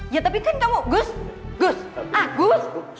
ya tapi kan kamu gus gus agus